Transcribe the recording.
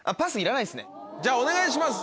じゃあお願いします